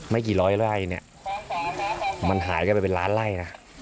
กี่ร้อยไล่เนี่ยมันหายกันไปเป็นล้านไล่นะ